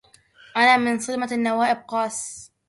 أنا من صدمة النوائب قاس